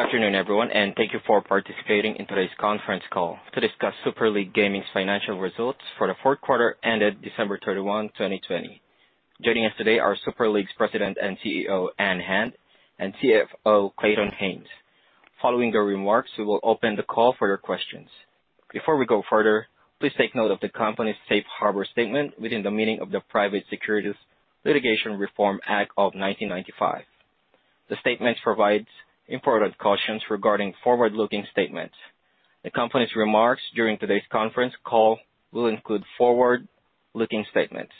Good afternoon, everyone, and thank you for participating in today's conference call to discuss Super League Gaming's financial results for the fourth quarter ended December 31, 2020. Joining us today are Super League's President and CEO, Ann Hand, and CFO, Clayton Haynes. Following their remarks, we will open the call for your questions. Before we go further, please take note of the company's safe harbor statement within the meaning of the Private Securities Litigation Reform Act of 1995. The statement provides important cautions regarding forward-looking statements. The company's remarks during today's conference call will include forward-looking statements.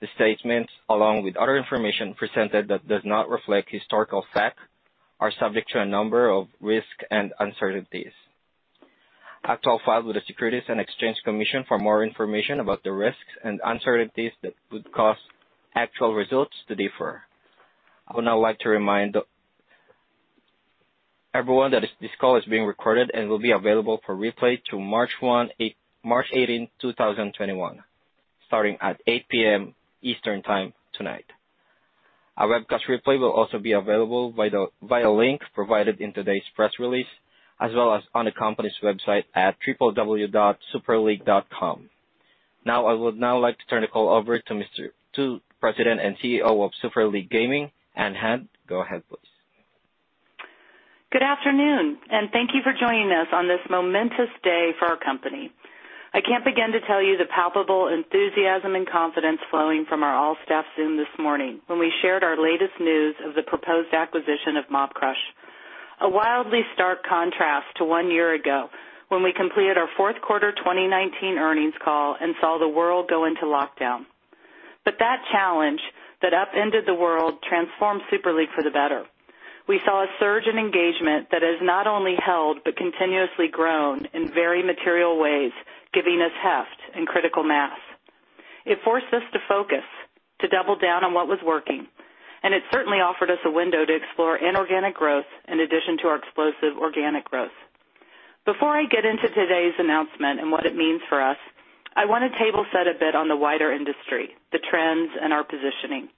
The statements, along with other information presented that does not reflect historical fact, are subject to a number of risks and uncertainties. Please see our files with the Securities and Exchange Commission for more information about the risks and uncertainties that could cause actual results to differ. I would now like to remind everyone that this call is being recorded and will be available for replay through March 18, 2021, starting at 8:00 P.M. Eastern Time tonight. Our webcast replay will also be available via a link provided in today's press release, as well as on the company's website at www.superleague.com. Now, I would now like to turn the call over to President and CEO of Super League Gaming, Ann Hand. Go ahead, please. Good afternoon, and thank you for joining us on this momentous day for our company. I can't begin to tell you the palpable enthusiasm and confidence flowing from our all-staff Zoom this morning when we shared our latest news of the proposed acquisition of Mobcrush. A wildly stark contrast to one year ago, when we completed our fourth quarter 2019 earnings call and saw the world go into lockdown. That challenge that upended the world transformed Super League for the better. We saw a surge in engagement that has not only held but continuously grown in very material ways, giving us heft and critical mass. It forced us to focus, to double down on what was working, and it certainly offered us a window to explore inorganic growth in addition to our explosive organic growth. Before I get into today's announcement and what it means for us, I want to table set a bit on the wider industry, the trends, and our positioning.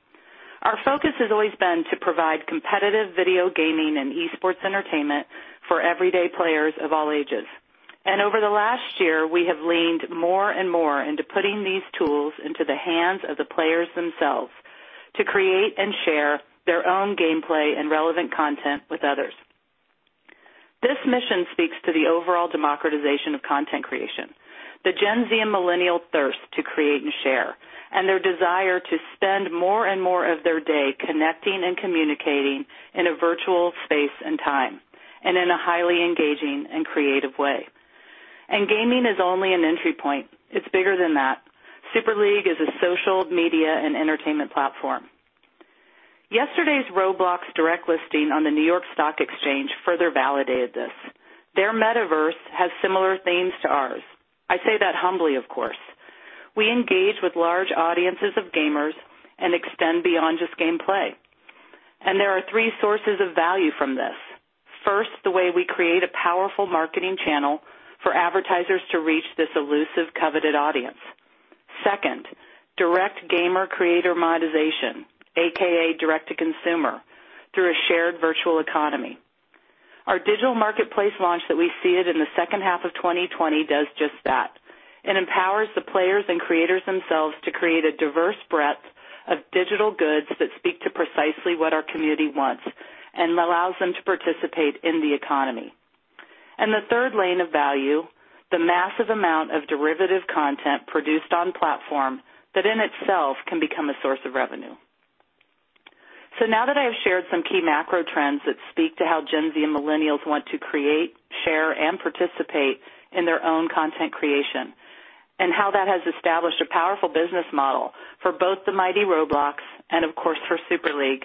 Our focus has always been to provide competitive video gaming and esports entertainment for everyday players of all ages. Over the last year, we have leaned more and more into putting these tools into the hands of the players themselves to create and share their own gameplay and relevant content with others. This mission speaks to the overall democratization of content creation. The Gen Z and Millennial thirst to create and share, and their desire to spend more and more of their day connecting and communicating in a virtual space and time, and in a highly engaging and creative way. Gaming is only an entry point. It's bigger than that. Super League is a social, media, and entertainment platform. Yesterday's Roblox direct listing on the New York Stock Exchange further validated this. Their metaverse has similar themes to ours. I say that humbly, of course. We engage with large audiences of gamers and extend beyond just gameplay. There are three sources of value from this. First, the way we create a powerful marketing channel for advertisers to reach this elusive, coveted audience. Second, direct gamer-creator monetization, AKA direct-to-consumer, through a shared virtual economy. Our digital marketplace launch that we seeded in the second half of 2020 does just that. It empowers the players and creators themselves to create a diverse breadth of digital goods that speak to precisely what our community wants and allows them to participate in the economy. The third lane of value, the massive amount of derivative content produced on platform that in itself can become a source of revenue. Now that I have shared some key macro trends that speak to how Gen Z and millennials want to create, share, and participate in their own content creation, and how that has established a powerful business model for both the mighty Roblox and of course for Super League,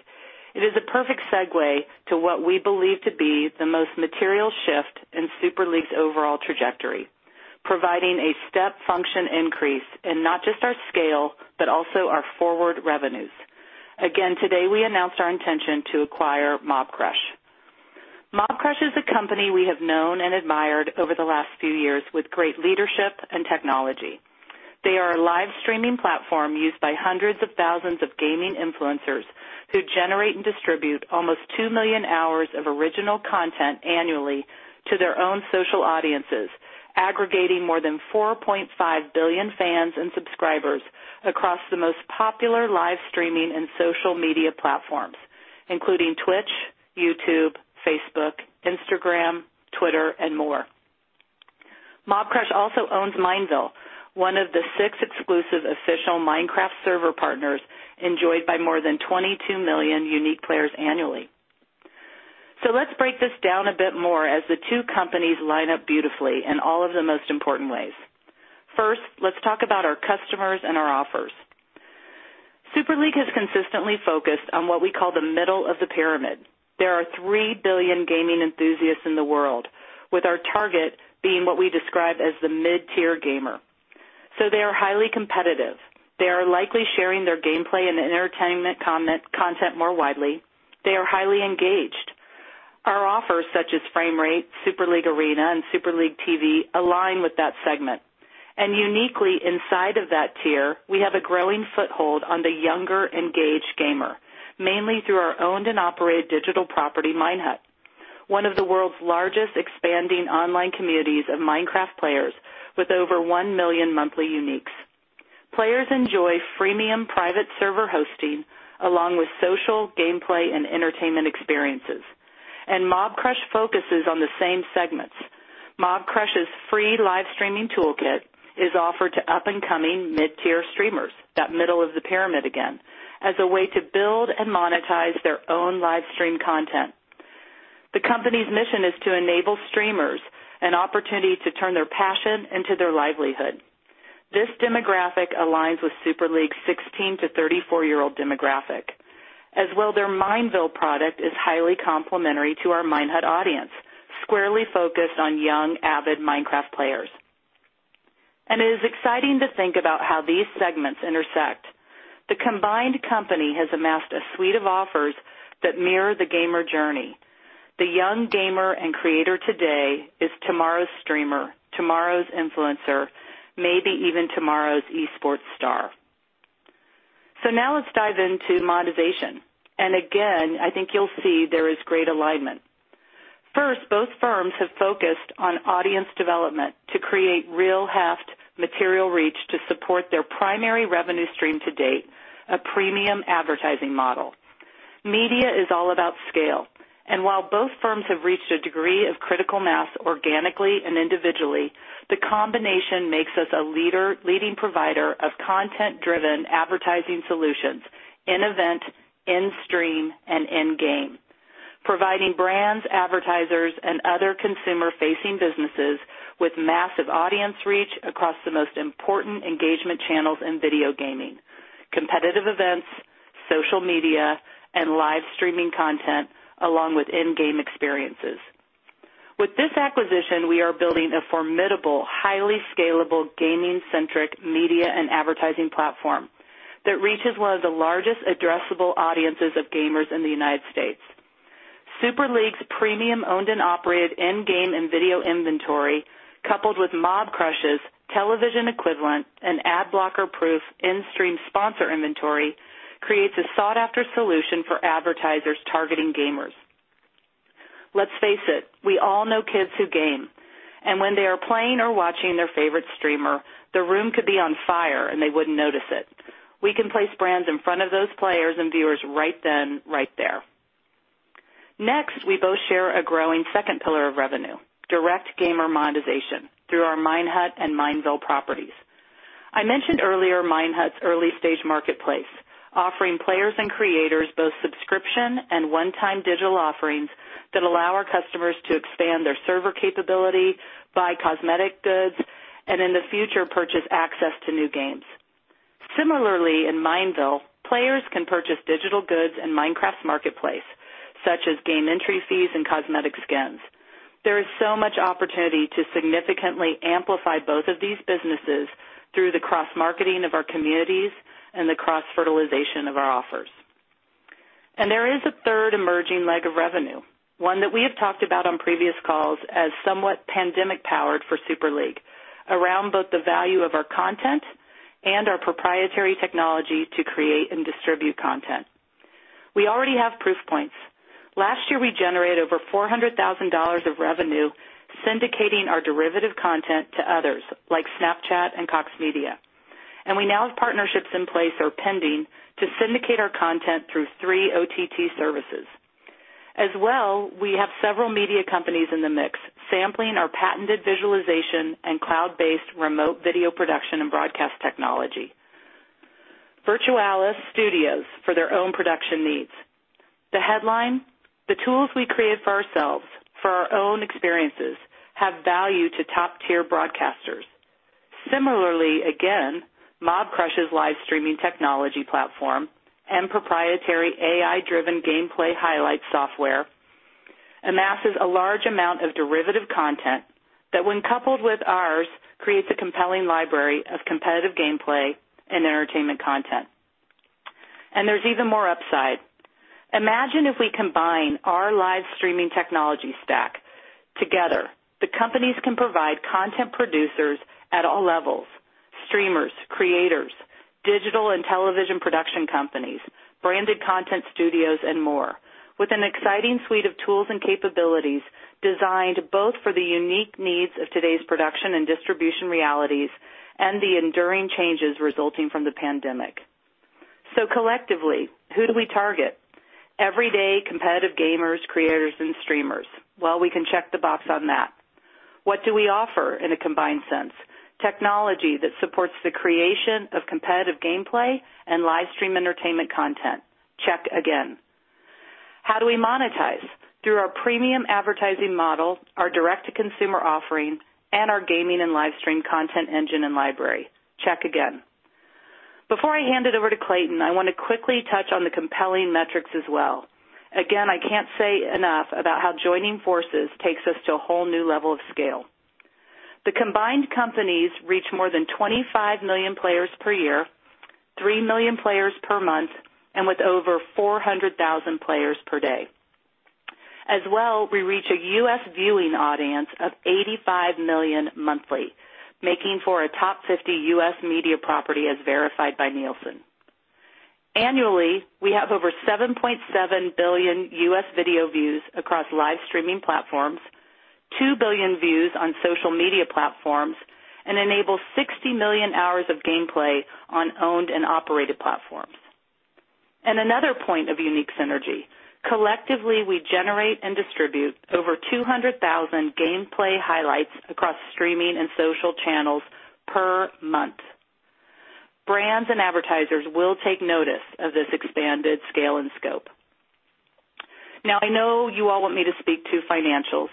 it is a perfect segue to what we believe to be the most material shift in Super League's overall trajectory. Providing a step function increase in not just our scale, but also our forward revenues. Again, today, we announced our intention to acquire Mobcrush. Mobcrush is a company we have known and admired over the last few years with great leadership and technology. They are a live-streaming platform used by hundreds of thousands of gaming influencers who generate and distribute almost two million hours of original content annually to their own social audiences, aggregating more than 4.5 billion fans and subscribers across the most popular live-streaming and social media platforms, including Twitch, YouTube, Facebook, Instagram, Twitter, and more. Mobcrush also owns Mineville, one of the six exclusive official Minecraft server partners enjoyed by more than 22 million unique players annually. Let's break this down a bit more as the two companies line up beautifully in all of the most important ways. First, let's talk about our customers and our offers. Super League has consistently focused on what we call the middle of the pyramid. There are three billion gaming enthusiasts in the world, with our target being what we describe as the mid-tier gamer. They are highly competitive. They are likely sharing their gameplay and entertainment content more widely. They are highly engaged. Our offers, such as Framerate, Super League Arena, and Super League TV align with that segment. Uniquely inside of that tier, we have a growing foothold on the younger engaged gamer, mainly through our owned and operated digital property, Minehut, one of the world's largest expanding online communities of Minecraft players with over one million monthly uniques. Players enjoy freemium private server hosting along with social gameplay and entertainment experiences. Mobcrush focuses on the same segments. Mobcrush's free live streaming toolkit is offered to up-and-coming mid-tier streamers, that middle of the pyramid again, as a way to build and monetize their own live stream content. The company's mission is to enable streamers an opportunity to turn their passion into their livelihood. This demographic aligns with Super League's 16 to 34-year-old demographic, as well, their Mineville product is highly complementary to our Minehut audience, squarely focused on young, avid Minecraft players. It is exciting to think about how these segments intersect. The combined company has amassed a suite of offers that mirror the gamer journey. The young gamer and creator today is tomorrow's streamer, tomorrow's influencer, maybe even tomorrow's esports star. Now let's dive into monetization. Again, I think you'll see there is great alignment. First, both firms have focused on audience development to create real heft material reach to support their primary revenue stream to date, a premium advertising model. Media is all about scale, and while both firms have reached a degree of critical mass organically and individually, the combination makes us a leading provider of content-driven advertising solutions in event, in-stream, and in-game. Providing brands, advertisers, and other consumer-facing businesses with massive audience reach across the most important engagement channels in video gaming: competitive events, social media, and live streaming content, along with in-game experiences. With this acquisition, we are building a formidable, highly scalable gaming-centric media and advertising platform that reaches one of the largest addressable audiences of gamers in the United States. Super League's premium owned and operated in-game and video inventory, coupled with Mobcrush's television equivalent and ad blocker-proof in-stream sponsor inventory, creates a sought-after solution for advertisers targeting gamers. Let's face it, we all know kids who game, and when they are playing or watching their favorite streamer, the room could be on fire, and they wouldn't notice it. We can place brands in front of those players and viewers right then, right there. Next, we both share a growing second pillar of revenue, direct gamer monetization through our Minehut and Mineville properties. I mentioned earlier Minehut's early-stage marketplace, offering players and creators both subscription and one-time digital offerings that allow our customers to expand their server capability, buy cosmetic goods, and in the future, purchase access to new games. Similarly, in Mineville, players can purchase digital goods in Minecraft's marketplace, such as game entry fees and cosmetic skins. There is so much opportunity to significantly amplify both of these businesses through the cross-marketing of our communities and the cross-fertilization of our offers. There is a third emerging leg of revenue, one that we have talked about on previous calls as somewhat pandemic-powered for Super League around both the value of our content and our proprietary technology to create and distribute content. We already have proof points. Last year, we generated over $400,000 of revenue syndicating our derivative content to others like Snapchat and Cox Media. We now have partnerships in place or pending to syndicate our content through three OTT services. As well, we have several media companies in the mix sampling our patented visualization and cloud-based remote video production and broadcast technology. Virtualis Studios for their own production needs. The headline, the tools we create for ourselves, for our own experiences, have value to top-tier broadcasters. Similarly, again, Mobcrush's live streaming technology platform and proprietary AI-driven gameplay highlight software amasses a large amount of derivative content that when coupled with ours, creates a compelling library of competitive gameplay and entertainment content. There's even more upside. Imagine if we combine our live streaming technology stack together. The companies can provide content producers at all levels: streamers, creators, digital and television production companies, branded content studios, and more with an exciting suite of tools and capabilities designed both for the unique needs of today's production and distribution realities and the enduring changes resulting from the pandemic. Collectively, who do we target? Everyday competitive gamers, creators, and streamers. We can check the box on that. What do we offer in a combined sense? Technology that supports the creation of competitive gameplay and live stream entertainment content. Check again. How do we monetize? Through our premium advertising model, our direct-to-consumer offering, and our gaming and live stream content engine and library. Check again. Before I hand it over to Clayton, I want to quickly touch on the compelling metrics as well. Again, I can't say enough about how joining forces takes us to a whole new level of scale. The combined companies reach more than 25 million players per year, three million players per month, and with over 400,000 players per day. We reach a U.S. viewing audience of 85 million monthly, making for a top 50 U.S. media property as verified by Nielsen. Annually we have over 7.7 billion U.S. video views across live streaming platforms, 2 billion views on social media platforms, and enable 60 million hours of gameplay on owned and operated platforms. Another point of unique synergy, collectively, we generate and distribute over 200,000 gameplay highlights across streaming and social channels per month. Brands and advertisers will take notice of this expanded scale and scope. I know you all want me to speak to financials,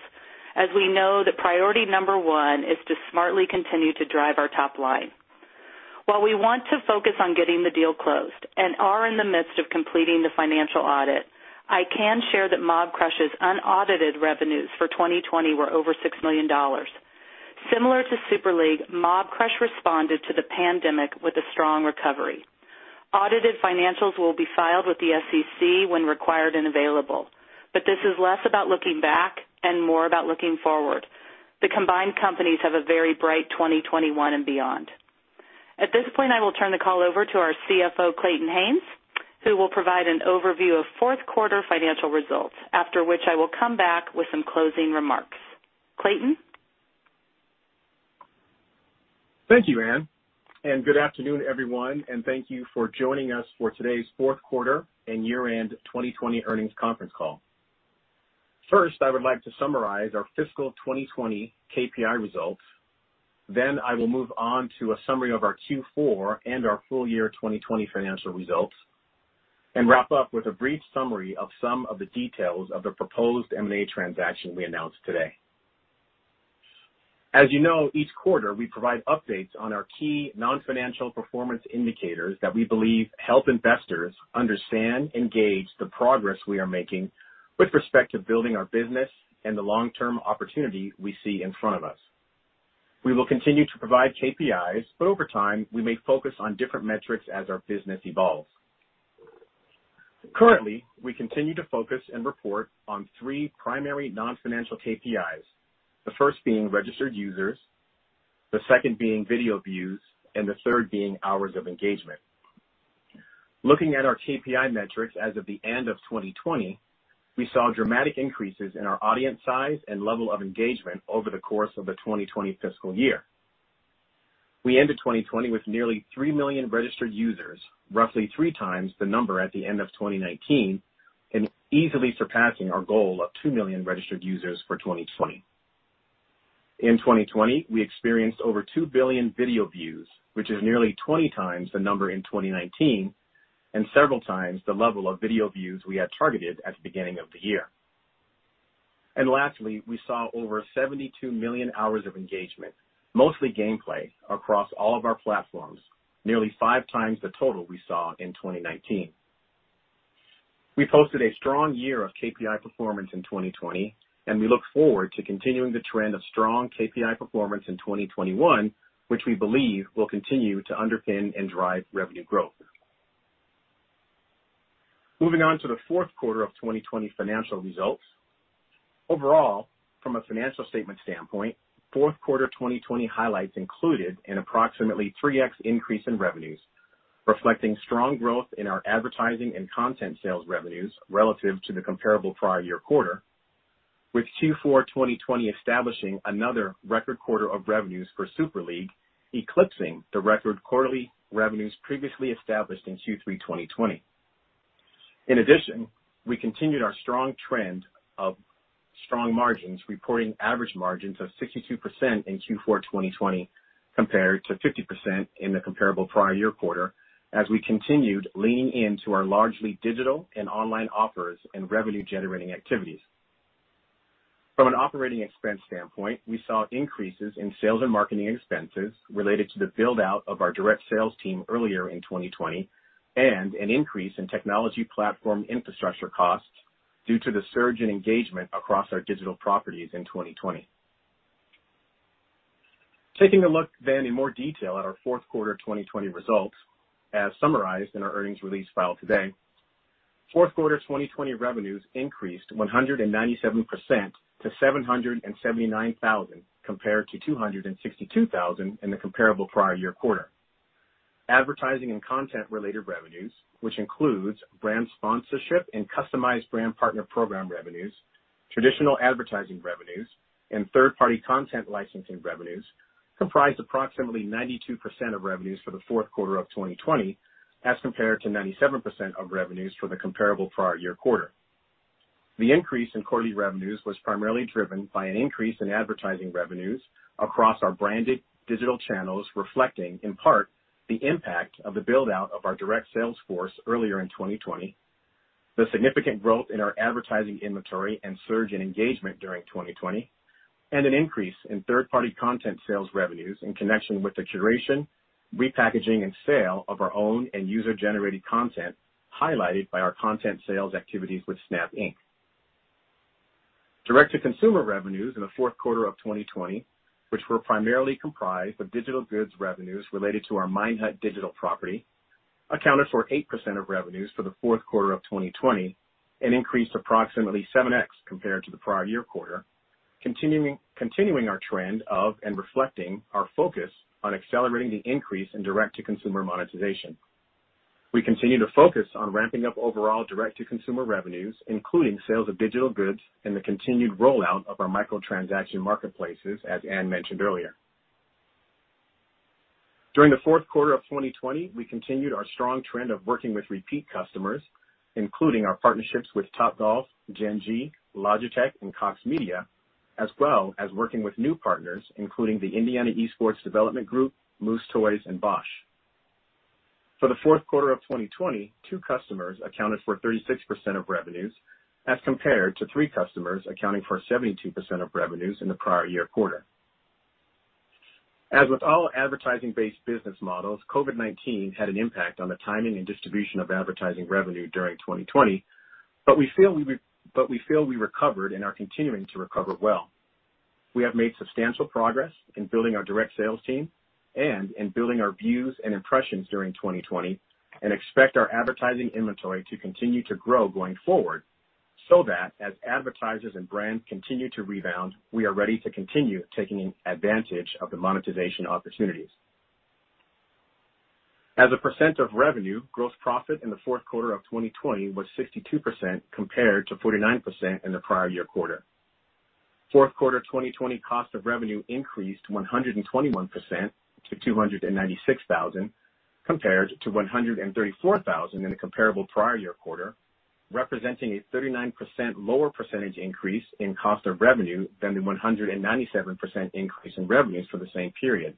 as we know that priority number 1 is to smartly continue to drive our top line. While we want to focus on getting the deal closed and are in the midst of completing the financial audit, I can share that Mobcrush's unaudited revenues for 2020 were over $6 million. Similar to Super League, Mobcrush responded to the pandemic with a strong recovery. Audited financials will be filed with the SEC when required and available. This is less about looking back and more about looking forward. The combined companies have a very bright 2021 and beyond. At this point, I will turn the call over to our CFO, Clayton Haynes, who will provide an overview of fourth quarter financial results, after which I will come back with some closing remarks. Clayton? Thank you, Ann. Good afternoon, everyone, and thank you for joining us for today's fourth quarter and year-end 2020 earnings conference call. First, I would like to summarize our fiscal 2020 KPI results. I will move on to a summary of our Q4 and our full year 2020 financial results, and wrap up with a brief summary of some of the details of the proposed M&A transaction we announced today. You know, each quarter we provide updates on our key non-financial performance indicators that we believe help investors understand and gauge the progress we are making with respect to building our business and the long-term opportunity we see in front of us. We will continue to provide KPIs, Over time, we may focus on different metrics as our business evolves. Currently, we continue to focus and report on three primary non-financial KPIs. The first being registered users, the second being video views, and the third being hours of engagement. Looking at our KPI metrics as of the end of 2020, we saw dramatic increases in our audience size and level of engagement over the course of the 2020 fiscal year. We ended 2020 with nearly three million registered users, roughly three times the number at the end of 2019, and easily surpassing our goal of two million registered users for 2020. In 2020, we experienced over two billion video views, which is nearly 20 times the number in 2019 and several times the level of video views we had targeted at the beginning of the year. Lastly, we saw over 72 million hours of engagement, mostly gameplay, across all of our platforms, nearly five times the total we saw in 2019. We posted a strong year of KPI performance in 2020, and we look forward to continuing the trend of strong KPI performance in 2021, which we believe will continue to underpin and drive revenue growth. Moving on to the fourth quarter of 2020 financial results. Overall, from a financial statement standpoint, fourth quarter 2020 highlights included an approximately 3x increase in revenues, reflecting strong growth in our advertising and content sales revenues relative to the comparable prior year quarter, with Q4 2020 establishing another record quarter of revenues for Super League, eclipsing the record quarterly revenues previously established in Q3 2020. In addition, we continued our strong trend of strong margins, reporting average margins of 62% in Q4 2020 compared to 50% in the comparable prior year quarter, as we continued leaning into our largely digital and online offers and revenue-generating activities. From an operating expense standpoint, we saw increases in sales and marketing expenses related to the build-out of our direct sales team earlier in 2020, and an increase in technology platform infrastructure costs due to the surge in engagement across our digital properties in 2020. Taking a look then in more detail at our fourth quarter 2020 results, as summarized in our earnings release filed today, fourth quarter 2020 revenues increased 197% to $779,000 compared to $262,000 in the comparable prior year quarter. Advertising and content-related revenues, which includes brand sponsorship and customized brand partner program revenues, traditional advertising revenues, and third-party content licensing revenues comprised approximately 92% of revenues for the fourth quarter of 2020 as compared to 97% of revenues for the comparable prior year quarter. The increase in quarterly revenues was primarily driven by an increase in advertising revenues across our branded digital channels, reflecting in part the impact of the build-out of our direct sales force earlier in 2020, the significant growth in our advertising inventory and surge in engagement during 2020, and an increase in third-party content sales revenues in connection with the curation, repackaging, and sale of our own and user-generated content, highlighted by our content sales activities with Snap Inc. Direct-to-consumer revenues in the fourth quarter of 2020, which were primarily comprised of digital goods revenues related to our Minehut digital property accounted for 8% of revenues for the fourth quarter of 2020 and increased approximately 7x compared to the prior year quarter, continuing our trend of and reflecting our focus on accelerating the increase in direct-to-consumer monetization. We continue to focus on ramping up overall direct-to-consumer revenues, including sales of digital goods and the continued rollout of our microtransaction marketplaces, as Ann mentioned earlier. During the 4th quarter of 2020, we continued our strong trend of working with repeat customers, including our partnerships with Topgolf, Gen.G, Logitech, and Cox Media, as well as working with new partners, including the Indiana Esports Network, Moose Toys, and Bosch. For the 4th quarter of 2020, two customers accounted for 36% of revenues as compared to three customers accounting for 72% of revenues in the prior year quarter. As with all advertising-based business models, COVID-19 had an impact on the timing and distribution of advertising revenue during 2020, but we feel we recovered and are continuing to recover well. We have made substantial progress in building our direct sales team and in building our views and impressions during 2020. Expect our advertising inventory to continue to grow going forward, so that as advertisers and brands continue to rebound, we are ready to continue taking advantage of the monetization opportunities. As a % of revenue, gross profit in the fourth quarter of 2020 was 62% compared to 49% in the prior year quarter. Fourth quarter 2020 cost of revenue increased 121% to $296,000, compared to $134,000 in the comparable prior year quarter, representing a 39% lower % increase in cost of revenue than the 197% increase in revenues for the same period.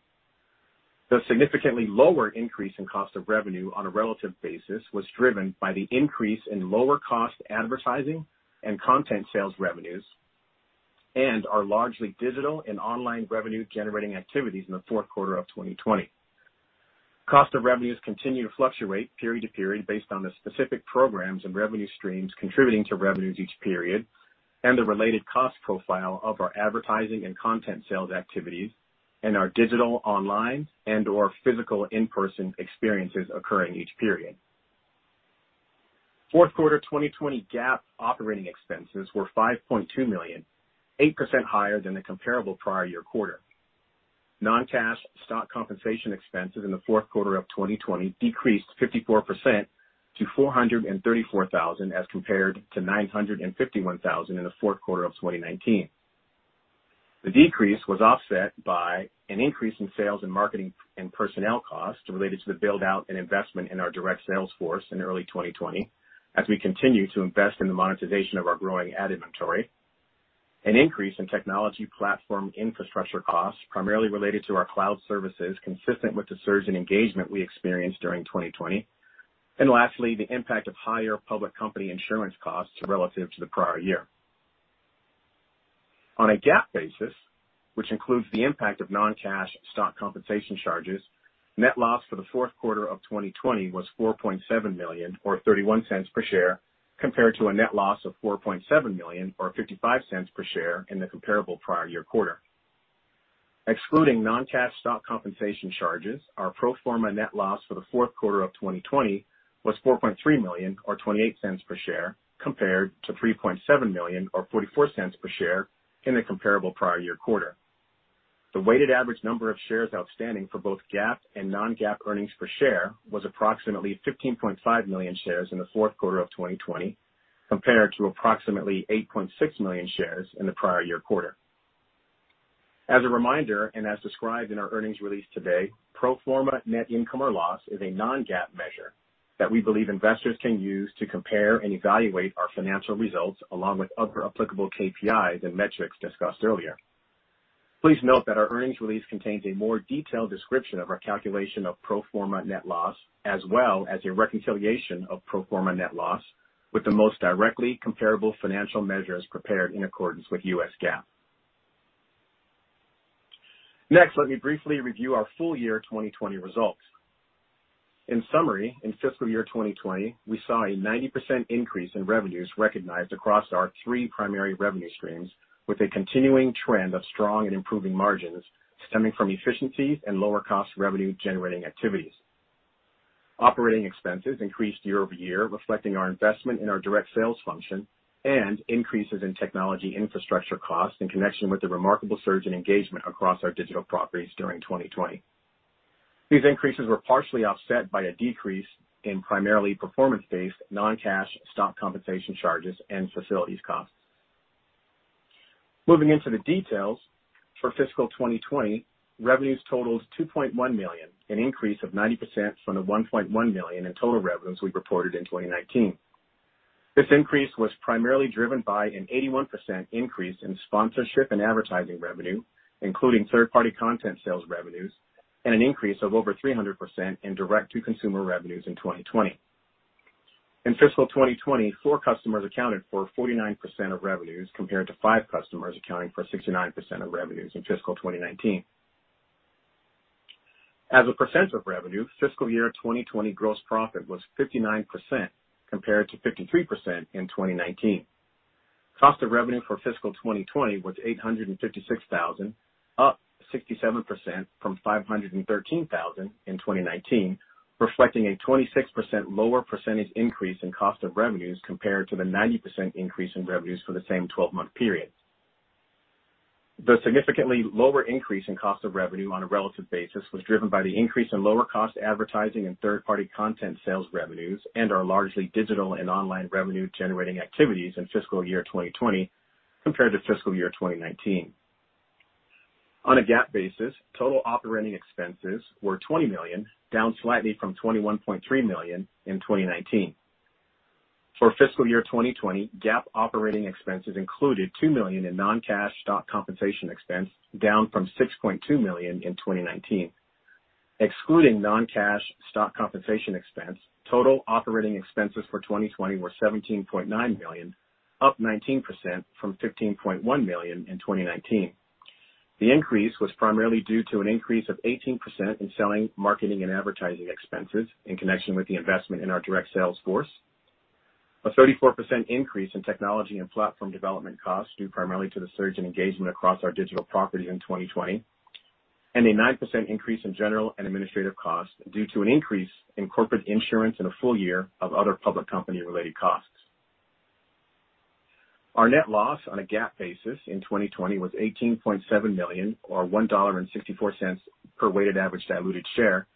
The significantly lower increase in cost of revenue on a relative basis was driven by the increase in lower cost advertising and content sales revenues and our largely digital and online revenue-generating activities in the fourth quarter of 2020. Cost of revenues continue to fluctuate period to period based on the specific programs and revenue streams contributing to revenues each period, and the related cost profile of our advertising and content sales activities, and our digital, online, and/or physical in-person experiences occurring each period. Fourth quarter 2020 GAAP operating expenses were $5.2 million, 8% higher than the comparable prior year quarter. Non-cash stock compensation expenses in the fourth quarter of 2020 decreased 54% to $434,000 as compared to $951,000 in the fourth quarter of 2019. The decrease was offset by an increase in sales and marketing and personnel costs related to the build-out and investment in our direct sales force in early 2020, as we continue to invest in the monetization of our growing ad inventory. An increase in technology platform infrastructure costs primarily related to our cloud services, consistent with the surge in engagement we experienced during 2020, and lastly, the impact of higher public company insurance costs relative to the prior year. On a GAAP basis, which includes the impact of non-cash stock compensation charges, net loss for the fourth quarter of 2020 was $4.7 million or $0.31 per share, compared to a net loss of $4.7 million or $0.55 per share in the comparable prior year quarter. Excluding non-cash stock compensation charges, our pro forma net loss for the fourth quarter of 2020 was $4.3 million or $0.28 per share, compared to $3.7 million or $0.44 per share in the comparable prior year quarter. The weighted average number of shares outstanding for both GAAP and non-GAAP earnings per share was approximately 15.5 million shares in the fourth quarter of 2020, compared to approximately 8.6 million shares in the prior year quarter. As a reminder, and as described in our earnings release today, pro forma net income or loss is a non-GAAP measure that we believe investors can use to compare and evaluate our financial results along with other applicable KPIs and metrics discussed earlier. Please note that our earnings release contains a more detailed description of our calculation of pro forma net loss, as well as a reconciliation of pro forma net loss with the most directly comparable financial measures prepared in accordance with US GAAP. Let me briefly review our full year 2020 results. In summary, in fiscal year 2020, we saw a 90% increase in revenues recognized across our three primary revenue streams, with a continuing trend of strong and improving margins stemming from efficiencies and lower cost revenue-generating activities. Operating expenses increased year-over-year, reflecting our investment in our direct sales function and increases in technology infrastructure costs in connection with the remarkable surge in engagement across our digital properties during 2020. These increases were partially offset by a decrease in primarily performance-based non-cash stock compensation charges and facilities costs. Moving into the details, for fiscal 2020, revenues totaled $2.1 million, an increase of 90% from the $1.1 million in total revenues we reported in 2019. This increase was primarily driven by an 81% increase in sponsorship and advertising revenue, including third-party content sales revenues, and an increase of over 300% in direct-to-consumer revenues in 2020. In fiscal 2020, four customers accounted for 49% of revenues, compared to five customers accounting for 69% of revenues in fiscal 2019. As a percent of revenue, fiscal year 2020 gross profit was 59% compared to 53% in 2019. Cost of revenue for fiscal 2020 was $856,000, up 67% from $513,000 in 2019, reflecting a 26% lower percentage increase in cost of revenues compared to the 90% increase in revenues for the same 12-month period. The significantly lower increase in cost of revenue on a relative basis was driven by the increase in lower cost advertising and third-party content sales revenues and our largely digital and online revenue-generating activities in fiscal year 2020 compared to fiscal year 2019. On a GAAP basis, total operating expenses were $20 million, down slightly from $21.3 million in 2019. For fiscal year 2020, GAAP operating expenses included $2 million in non-cash stock compensation expense, down from $6.2 million in 2019. Excluding non-cash stock compensation expense, total operating expenses for 2020 were $17.9 million, up 19% from $15.1 million in 2019. The increase was primarily due to an increase of 18% in selling, marketing, and advertising expenses in connection with the investment in our direct sales force, a 34% increase in technology and platform development costs due primarily to the surge in engagement across our digital properties in 2020, and a 9% increase in general and administrative costs due to an increase in corporate insurance and a full year of other public company-related costs. Our net loss on a GAAP basis in 2020 was $18.7 million, or $1.64 per weighted average diluted share,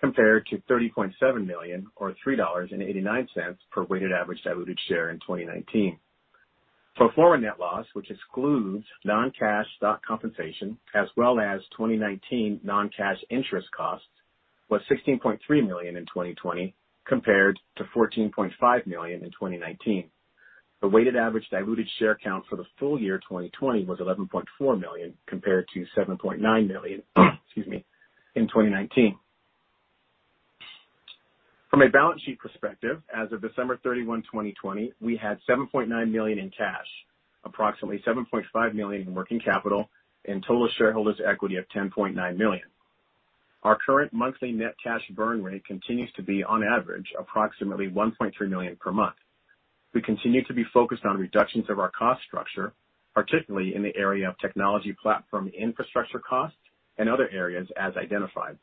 compared to $30.7 million, or $3.89 per weighted average diluted share in 2019. Pro forma net loss, which excludes non-cash stock compensation as well as 2019 non-cash interest costs, was $16.3 million in 2020 compared to $14.5 million in 2019. The weighted average diluted share count for the full year 2020 was 11.4 million compared to 7.9 million, excuse me, in 2019. From a balance sheet perspective, as of December 31, 2020, we had $7.9 million in cash, approximately $7.5 million in working capital, and total shareholders' equity of $10.9 million. Our current monthly net cash burn rate continues to be on average, approximately $1.3 million per month. We continue to be focused on reductions of our cost structure, particularly in the area of technology platform infrastructure costs and other areas as identified.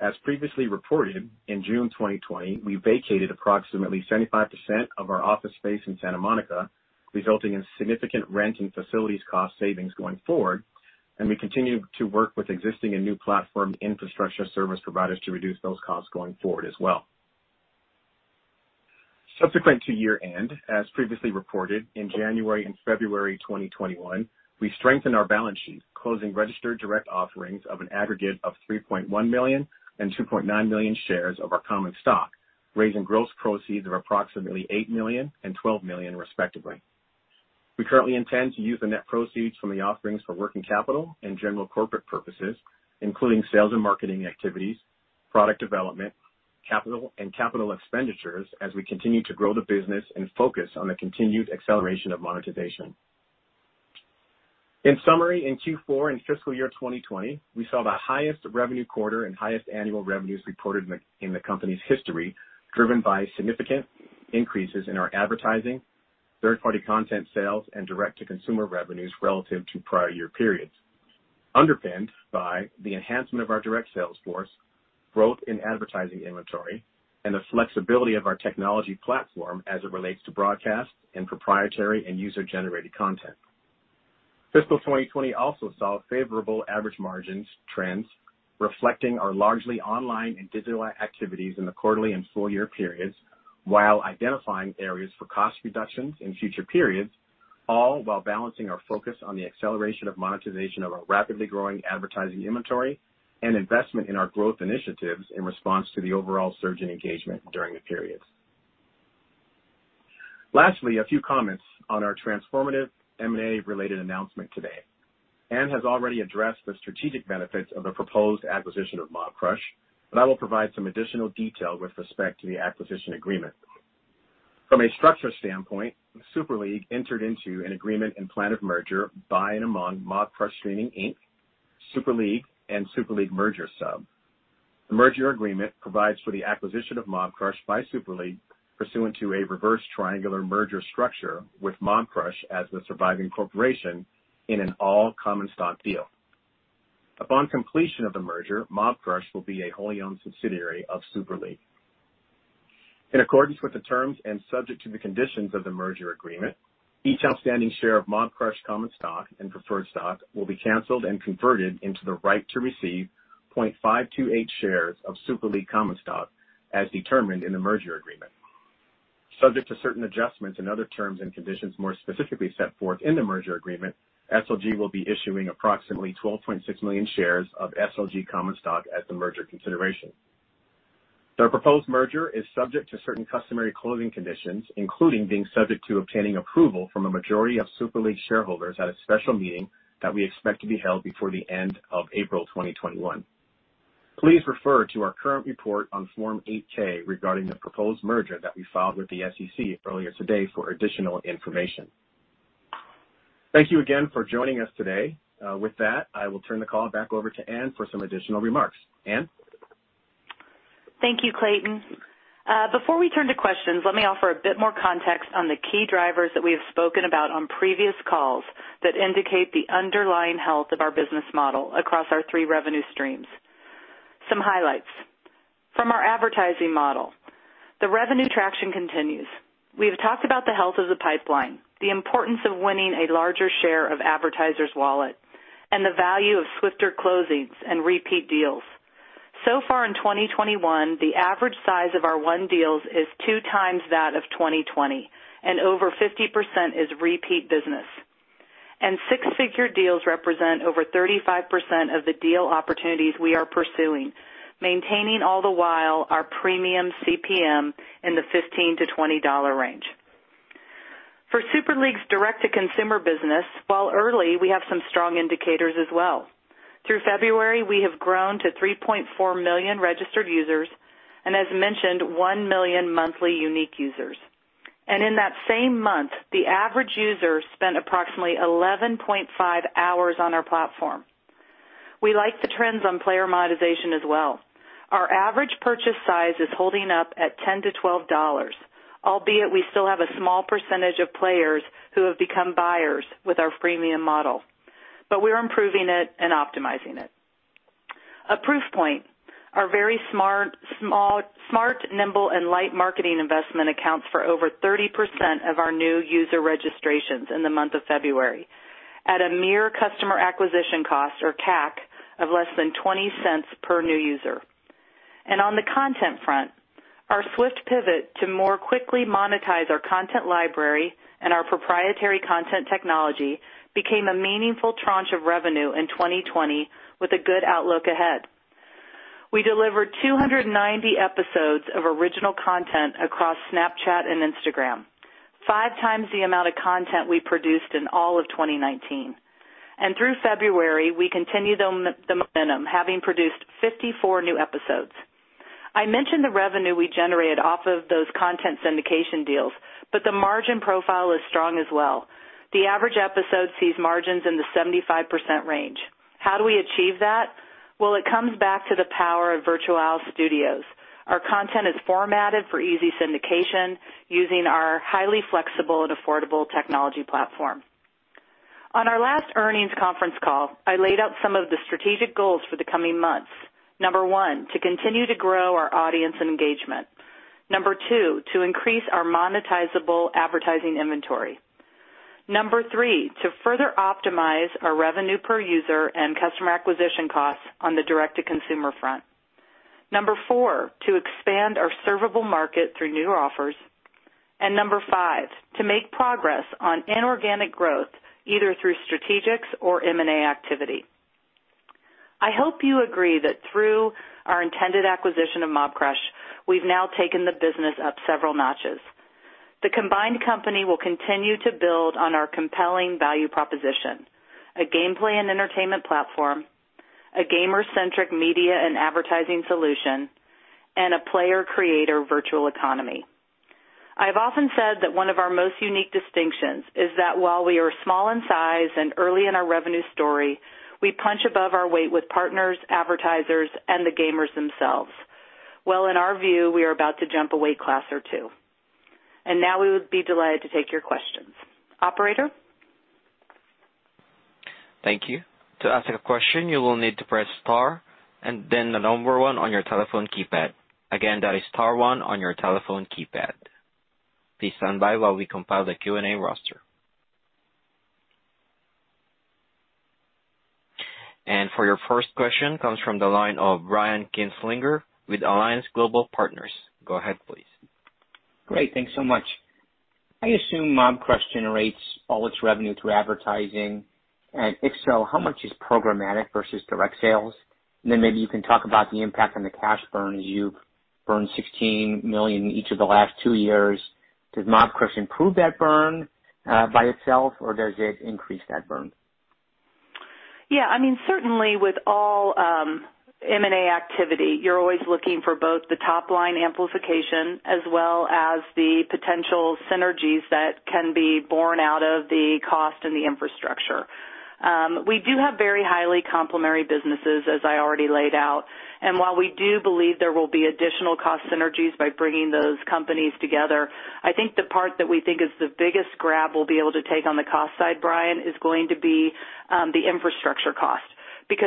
As previously reported, in June 2020, we vacated approximately 75% of our office space in Santa Monica, resulting in significant rent and facilities cost savings going forward, and we continue to work with existing and new platform infrastructure service providers to reduce those costs going forward as well. Subsequent to year-end, as previously reported, in January and February 2021, we strengthened our balance sheet, closing registered direct offerings of an aggregate of 3.1 million and 2.9 million shares of our common stock, raising gross proceeds of approximately $8 million and $12 million respectively. We currently intend to use the net proceeds from the offerings for working capital and general corporate purposes, including sales and marketing activities, product development, capital, and capital expenditures as we continue to grow the business and focus on the continued acceleration of monetization. In summary, in Q4 and fiscal year 2020, we saw the highest revenue quarter and highest annual revenues reported in the company's history, driven by significant increases in our advertising, third-party content sales, and direct-to-consumer revenues relative to prior year periods, underpinned by the enhancement of our direct sales force, growth in advertising inventory, and the flexibility of our technology platform as it relates to broadcast and proprietary and user-generated content. Fiscal 2020 also saw favorable average margins trends reflecting our largely online and digital activities in the quarterly and full year periods while identifying areas for cost reductions in future periods, all while balancing our focus on the acceleration of monetization of our rapidly growing advertising inventory and investment in our growth initiatives in response to the overall surge in engagement during the periods. Lastly, a few comments on our transformative M&A-related announcement today. Ann has already addressed the strategic benefits of the proposed acquisition of Mobcrush, but I will provide some additional detail with respect to the acquisition agreement. From a structure standpoint, Super League entered into an agreement and plan of merger by and among Mobcrush Streaming, Inc., Super League, and Super League Merger Sub. The merger agreement provides for the acquisition of Mobcrush by Super League pursuant to a reverse triangular merger structure with Mobcrush as the surviving corporation in an all-common stock deal. Upon completion of the merger, Mobcrush will be a wholly-owned subsidiary of Super League. In accordance with the terms and subject to the conditions of the merger agreement, each outstanding share of Mobcrush common stock and preferred stock will be canceled and converted into the right to receive 0.528 shares of Super League common stock as determined in the merger agreement. Subject to certain adjustments in other terms and conditions more specifically set forth in the merger agreement, SLG will be issuing approximately 12.6 million shares of SLG common stock as the merger consideration. The proposed merger is subject to certain customary closing conditions, including being subject to obtaining approval from a majority of Super League Gaming shareholders at a special meeting that we expect to be held before the end of April 2021. Please refer to our current report on Form 8-K regarding the proposed merger that we filed with the SEC earlier today for additional information. Thank you again for joining us today. With that, I will turn the call back over to Ann for some additional remarks. Ann? Thank you, Clayton. Before we turn to questions, let me offer a bit more context on the key drivers that we have spoken about on previous calls that indicate the underlying health of our business model across our three revenue streams. Some highlights. From our advertising model, the revenue traction continues. We have talked about the health of the pipeline, the importance of winning a larger share of advertisers' wallet, and the value of swifter closings and repeat deals. So far in 2021, the average size of our won deals is two times that of 2020, and over 50% is repeat business. Six-figure deals represent over 35% of the deal opportunities we are pursuing, maintaining all the while our premium CPM in the $15-$20 range. For Super League's direct-to-consumer business, while early, we have some strong indicators as well. Through February, we have grown to 3.4 million registered users, and as mentioned, one million monthly unique users. In that same month, the average user spent approximately 11.5 hours on our platform. We like the trends on player monetization as well. Our average purchase size is holding up at $10-$12, albeit we still have a small percentage of players who have become buyers with our freemium model, but we're improving it and optimizing it. A proof point, our very smart, nimble, and light marketing investment accounts for over 30% of our new user registrations in the month of February at a mere customer acquisition cost, or CAC, of less than $0.20 per new user. On the content front, our swift pivot to more quickly monetize our content library and our proprietary content technology became a meaningful tranche of revenue in 2020 with a good outlook ahead. We delivered 290 episodes of original content across Snapchat and Instagram, five times the amount of content we produced in all of 2019. Through February, we continued the momentum, having produced 54 new episodes. I mentioned the revenue we generated off of those content syndication deals, but the margin profile is strong as well. The average episode sees margins in the 75% range. How do we achieve that? Well, it comes back to the power of Virtualis Studios. Our content is formatted for easy syndication using our highly flexible and affordable technology platform. On our last earnings conference call, I laid out some of the strategic goals for the coming months. Number one, to continue to grow our audience engagement. Number two, to increase our monetizable advertising inventory. Number three, to further optimize our revenue per user and customer acquisition costs on the direct-to-consumer front. Number four, to expand our servable market through new offers. Number five, to make progress on inorganic growth, either through strategics or M&A activity. I hope you agree that through our intended acquisition of Mobcrush, we've now taken the business up several notches. The combined company will continue to build on our compelling value proposition, a gameplay and entertainment platform, a gamer-centric media and advertising solution, and a player-creator virtual economy. I've often said that one of our most unique distinctions is that while we are small in size and early in our revenue story, we punch above our weight with partners, advertisers, and the gamers themselves. Well, in our view, we are about to jump a weight class or two. Now we would be delighted to take your questions. Operator? Thank you. To ask a question, you will need to press star and then the number one on your telephone keypad. Again, that is star one on your telephone keypad. Please stand by while we compile the Q&A roster. For your first question, comes from the line of Brian Kinstlinger with Alliance Global Partners. Go ahead, please. Great. Thanks so much. I assume Mobcrush generates all its revenue through advertising. If so, how much is programmatic versus direct sales? Then maybe you can talk about the impact on the cash burn, as you've burned $16 million in each of the last two years. Does Mobcrush improve that burn by itself, or does it increase that burn? Yeah. Certainly with all M&A activity, you're always looking for both the top-line amplification as well as the potential synergies that can be born out of the cost and the infrastructure. We do have very highly complementary businesses, as I already laid out. While we do believe there will be additional cost synergies by bringing those companies together, I think the part that we think is the biggest grab we'll be able to take on the cost side, Brian, is going to be the infrastructure cost.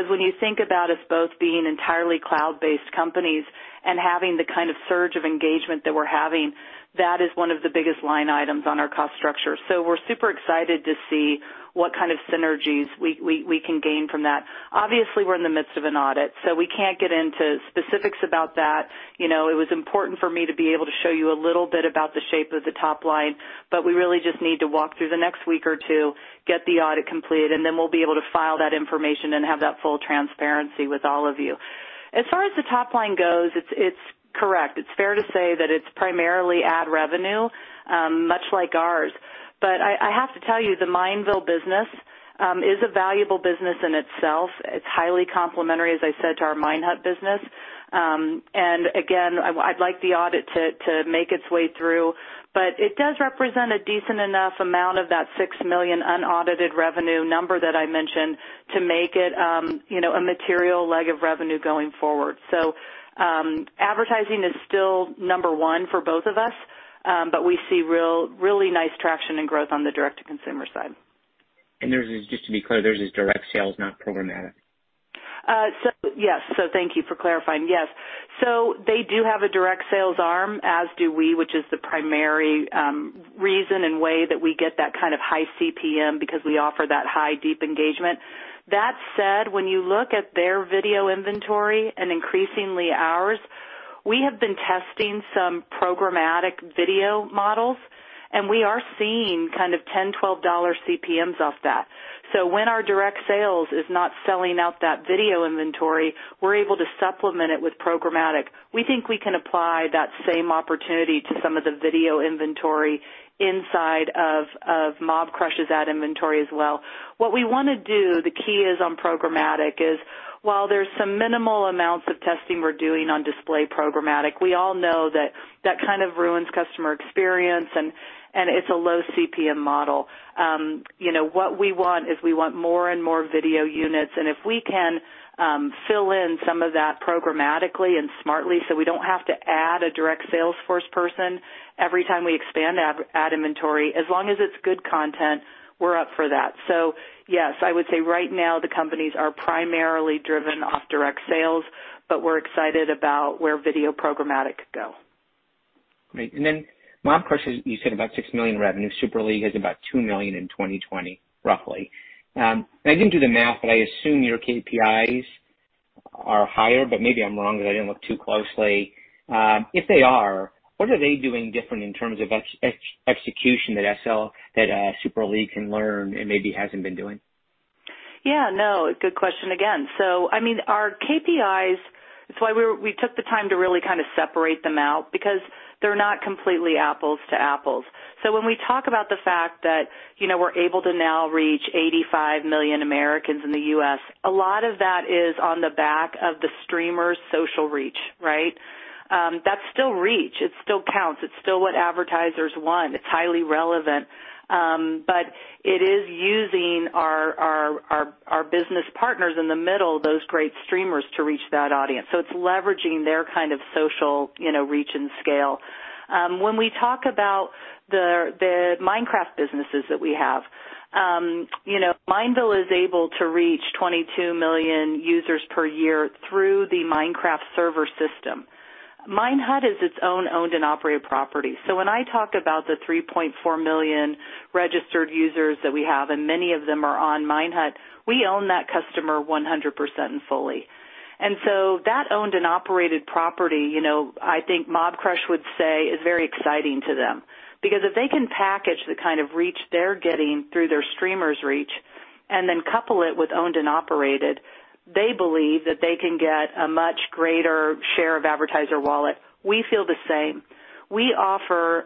When you think about us both being entirely cloud-based companies and having the kind of surge of engagement that we're having, that is one of the biggest line items on our cost structure. We're super excited to see what kind of synergies we can gain from that. Obviously, we're in the midst of an audit, we can't get into specifics about that. It was important for me to be able to show you a little bit about the shape of the top line, we really just need to walk through the next week or two, get the audit complete, and then we'll be able to file that information and have that full transparency with all of you. As far as the top line goes, it's correct. It's fair to say that it's primarily ad revenue, much like ours. I have to tell you, the Mineville business is a valuable business in itself. It's highly complementary, as I said, to our Minehut business. Again, I'd like the audit to make its way through, but it does represent a decent enough amount of that $6 million unaudited revenue number that I mentioned to make it a material leg of revenue going forward. Advertising is still number one for both of us. We see really nice traction and growth on the direct-to-consumer side. Just to be clear, theirs is direct sales, not programmatic. Yes. Thank you for clarifying. Yes. They do have a direct sales arm, as do we, which is the primary reason and way that we get that kind of high CPM, because we offer that high deep engagement. That said, when you look at their video inventory and increasingly ours, we have been testing some programmatic video models. We are seeing kind of $10, $12 CPMs off that. When our direct sales is not selling out that video inventory, we're able to supplement it with programmatic. We think we can apply that same opportunity to some of the video inventory inside of Mobcrush's ad inventory as well. What we want to do, the key is on programmatic is, while there's some minimal amounts of testing we're doing on display programmatic, we all know that that kind of ruins customer experience. It's a low CPM model. What we want is we want more and more video units, and if we can fill in some of that programmatically and smartly so we don't have to add a direct sales force person every time we expand ad inventory, as long as it's good content, we're up for that. Yes, I would say right now the companies are primarily driven off direct sales, but we're excited about where video programmatic could go. Great. Then Mobcrush is, you said, about $6 million revenue. Super League has about $2 million in 2020, roughly. I didn't do the math, but I assume your KPIs are higher, but maybe I'm wrong because I didn't look too closely. If they are, what are they doing different in terms of execution that Super League can learn and maybe hasn't been doing? Yeah, no. Good question again. I mean, our KPIs, that's why we took the time to really kind of separate them out, because they're not completely apples to apples. When we talk about the fact that we're able to now reach 85 million Americans in the U.S., a lot of that is on the back of the streamer's social reach, right? That's still reach. It still counts. It's still what advertisers want. It's highly relevant. It is using our business partners in the middle, those great streamers, to reach that audience. It's leveraging their kind of social reach and scale. When we talk about the "Minecraft" businesses that we have, Mineville is able to reach 22 million users per year through the "Minecraft" server system. Minehut is its own owned and operated property. When I talk about the 3.4 million registered users that we have, and many of them are on Minehut, we own that customer 100% and fully. That owned and operated property, I think Mobcrush would say is very exciting to them, because if they can package the kind of reach they're getting through their streamer's reach and then couple it with owned and operated, they believe that they can get a much greater share of advertiser wallet. We feel the same. We offer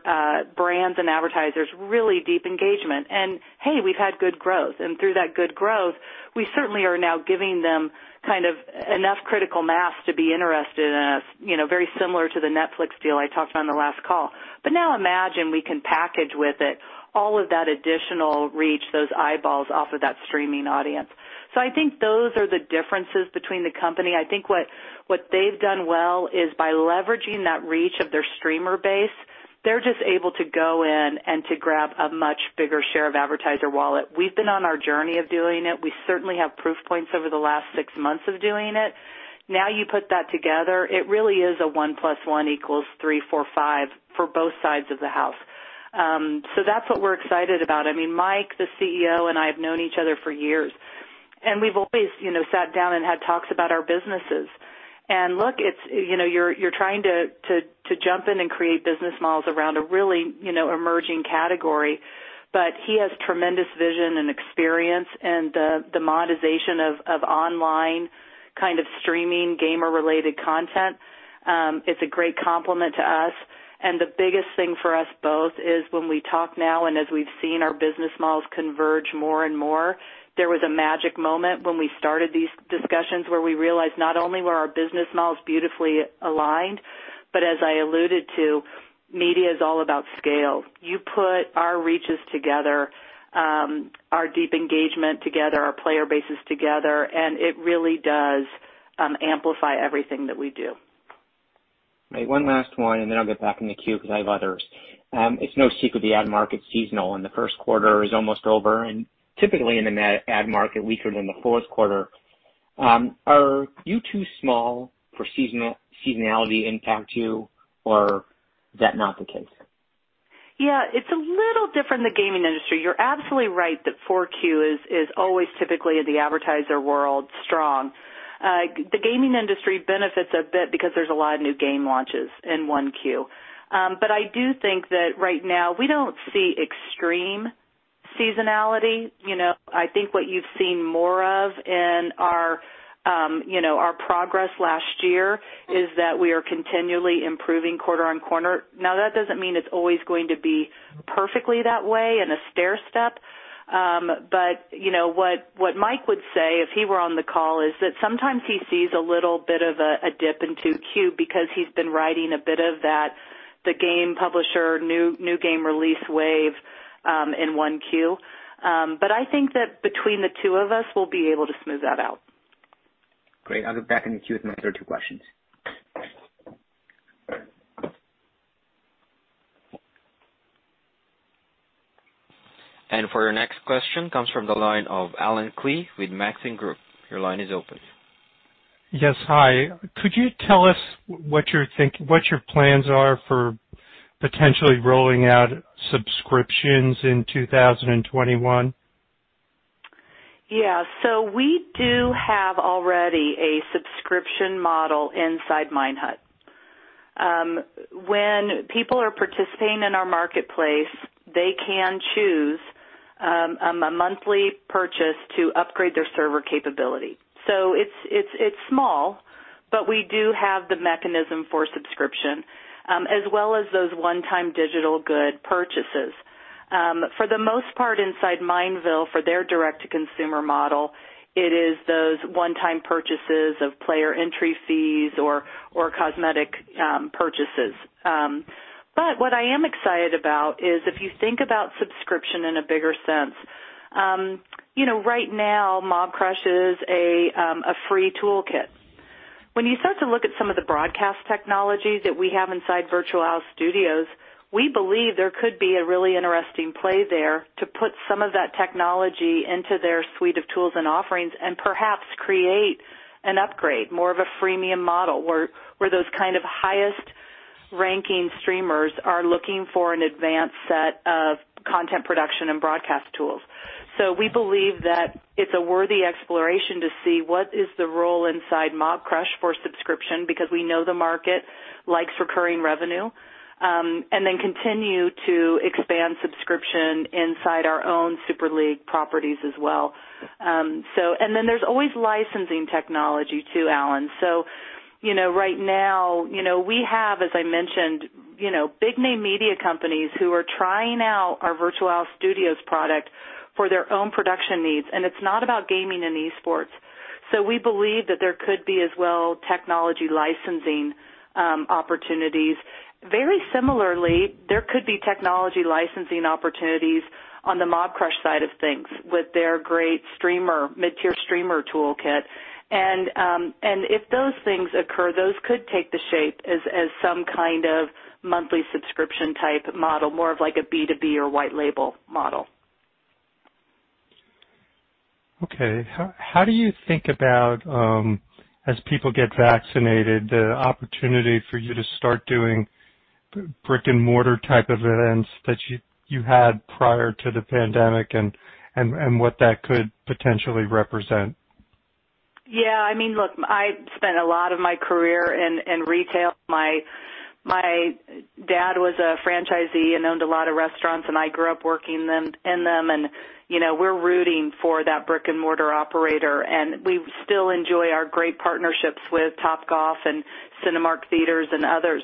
brands and advertisers really deep engagement, and hey, we've had good growth. Through that good growth, we certainly are now giving them kind of enough critical mass to be interested in us, very similar to the Netflix deal I talked about on the last call. Now imagine we can package with it all of that additional reach, those eyeballs off of that streaming audience. I think those are the differences between the company. I think what they've done well is by leveraging that reach of their streamer base, they're just able to go in and to grab a much bigger share of advertiser wallet. We've been on our journey of doing it. We certainly have proof points over the last six months of doing it. Now you put that together, it really is a one plus one equals three, four, five for both sides of the house. That's what we're excited about. I mean, Mike, the CEO, and I have known each other for years, and we've always sat down and had talks about our businesses. Look, you're trying to jump in and create business models around a really emerging category. He has tremendous vision and experience in the monetization of online kind of streaming gamer-related content. It's a great complement to us. The biggest thing for us both is when we talk now and as we've seen our business models converge more and more, there was a magic moment when we started these discussions where we realized not only were our business models beautifully aligned, but as I alluded to, media is all about scale. You put our reaches together, our deep engagement together, our player bases together, and it really does amplify everything that we do. Right. One last one. Then I'll get back in the queue because I have others. It's no secret the ad market's seasonal. The first quarter is almost over. Typically in the ad market, weaker than the fourth quarter. Are you too small for seasonality impact you, or is that not the case? Yeah, it's a little different in the gaming industry. You're absolutely right that Q4 is always typically in the advertiser world strong. The gaming industry benefits a bit because there's a lot of new game launches in 1Q. I do think that right now we don't see extreme seasonality. I think what you've seen more of in our progress last year is that we are continually improving quarter on quarter. That doesn't mean it's always going to be perfectly that way in a stairstep. What Mike would say if he were on the call is that sometimes he sees a little bit of a dip in 2Q because he's been riding a bit of that, the game publisher new game release wave in 1Q. I think that between the two of us, we'll be able to smooth that out. Great. I'll get back in the queue with my third two questions. For your next question, comes from the line of Allen Klee with Maxim Group. Your line is open. Yes. Hi. Could you tell us what your plans are for potentially rolling out subscriptions in 2021? Yeah. We do have already a subscription model inside Minehut. When people are participating in our marketplace, they can choose a monthly purchase to upgrade their server capability. It's small, but we do have the mechanism for subscription, as well as those one-time digital good purchases. For the most part, inside Mineville, for their direct-to-consumer model, it is those one-time purchases of player entry fees or cosmetic purchases. What I am excited about is if you think about subscription in a bigger sense, right now Mobcrush is a free toolkit. When you start to look at some of the broadcast technologies that we have inside Virtualis Studios, we believe there could be a really interesting play there to put some of that technology into their suite of tools and offerings and perhaps create an upgrade, more of a freemium model, where those kind of highest-ranking streamers are looking for an advanced set of content production and broadcast tools. We believe that it's a worthy exploration to see what is the role inside Mobcrush for subscription, because we know the market likes recurring revenue, and then continue to expand subscription inside our own Super League properties as well. Then there's always licensing technology too, Allen. Right now we have, as I mentioned, big name media companies who are trying out our Virtualis Studios product for their own production needs, and it's not about gaming and esports. We believe that there could be, as well, technology licensing opportunities. Very similarly, there could be technology licensing opportunities on the Mobcrush side of things with their great mid-tier streamer toolkit. If those things occur, those could take the shape as some kind of monthly subscription-type model, more of like a B2B or white label model. Okay. How do you think about, as people get vaccinated, the opportunity for you to start doing brick-and-mortar type of events that you had prior to the pandemic, and what that could potentially represent? Yeah. Look, I spent a lot of my career in retail. My dad was a franchisee and owned a lot of restaurants, and I grew up working in them, and we're rooting for that brick-and-mortar operator, and we still enjoy our great partnerships with Topgolf and Cinemark Theatres and others.